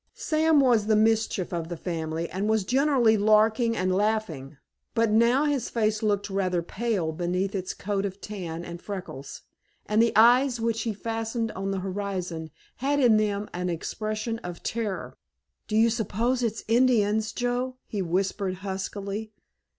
Sam was the mischief of the family, and was generally larking and laughing, but now his face looked rather pale beneath its coat of tan and freckles, and the eyes which he fastened on the horizon had in them an expression of terror. "Do you suppose it's Indians, Joe?" he whispered huskily.